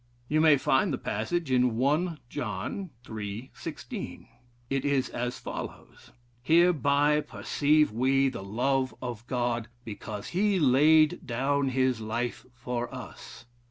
You may find the passage in 1 John, iii. 16. It is as follows: 'Hereby perceive we the love of God, because he laid down his life for us.'